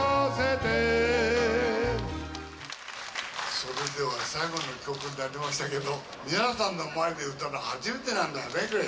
それでは最後の曲になりましたけど、皆さんの前で歌うの初めてなんだよね、これ。